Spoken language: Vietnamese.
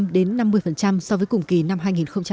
giá thịt heo năm nay so với mọi năm thì giá hơi cao hơn